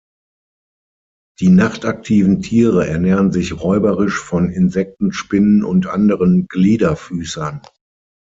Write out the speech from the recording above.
Die nachtaktiven Tiere ernähren sich räuberisch von Insekten, Spinnen und anderen Gliederfüßern.